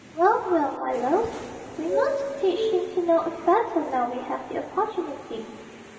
Well, well, my loves, we must teach him to know us better now we have the opportunity.